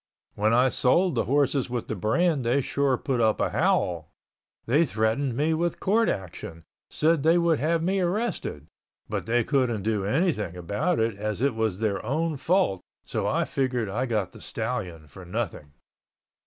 When I sold the horses with the brand they sure put up a howl. They threatened me with court action, said they would have me arrested, but they couldn't do anything about it as it was their own fault so I figured I got the stallion for nothing.